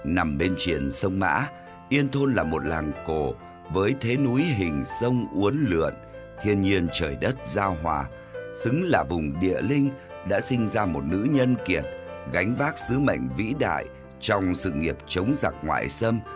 nằm bên triển sông mã yên thôn là một làng cổ với thế núi hình sông uốn lượn thiên nhiên trời đất giao hòa xứng là vùng địa linh đã sinh ra một nữ nhân kiệt gánh vác sứ mệnh vĩ đại trong sự nghiệp chống giặc ngoại xâm